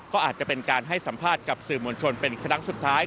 ก็อาจจะเป็นการให้สัมภาษณ์กับสื่อมวลชนเป็นครั้งสุดท้าย